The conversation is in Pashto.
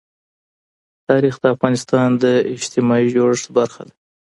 تاریخ د افغانستان د اجتماعي جوړښت برخه ده.